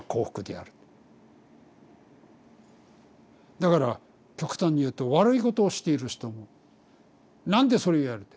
だから極端に言うと悪いことをしている人もなんでそれをやるんだ？